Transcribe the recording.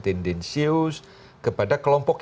tendensius kepada kelompok